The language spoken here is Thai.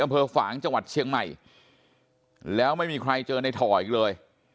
ฝางจังหวัดเชียงใหม่แล้วไม่มีใครเจอในถ่ออีกเลย